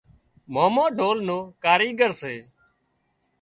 مامو ڍول نو ڪاريڳر سي